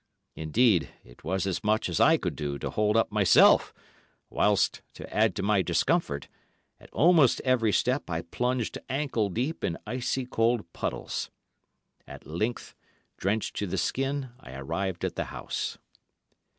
Indeed, it was as much as I could do to hold up myself, whilst, to add to my discomfort, at almost every step I plunged ankle deep in icy cold puddles. At length, drenched to the skin, I arrived at the house.